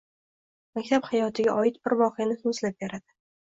Maktab hayotiga oid bir voqeani so‘zlab beradi.